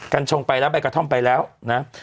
กชงไปแล้วใบกระท่อมไปแล้วนะ